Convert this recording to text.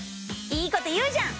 いいこと言うじゃん！